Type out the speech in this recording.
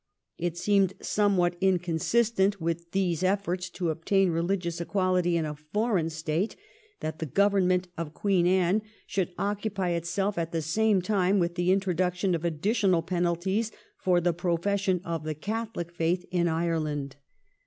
It seemed somewhat inconsistent with these efibrts to obtain reUgious equality in a foreign State, that the Government of Queen Anne should occupy itself at the same time with the introduction of additional penalties for the profession of the Catholic faith in Ireland.